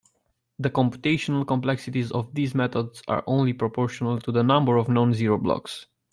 The computational complexities of these methods are only proportional to the number of non-zero blocks.